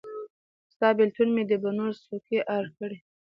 ستا بیلتون مې د بڼو څوکي ارې کړې